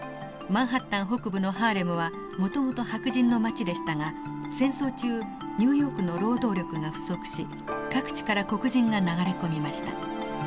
マンハッタン北部のハーレムはもともと白人の街でしたが戦争中ニューヨークの労働力が不足し各地から黒人が流れ込みました。